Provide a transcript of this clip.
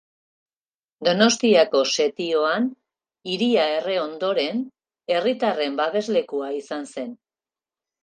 Donostiako setioan hiria erre ondoren, herritarren babeslekua izan zen.